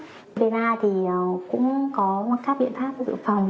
rubella cũng có các biện pháp dự phòng